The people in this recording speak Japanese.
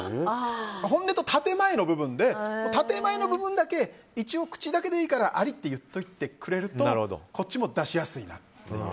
本音と建前の部分で建前の部分だけ一応口だけでいいからありって言っておいてくれるとこっちも出しやすいなという。